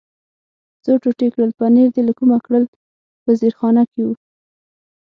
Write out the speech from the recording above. څو ټوټې کړل، پنیر دې له کومه کړل؟ په زیرخانه کې و.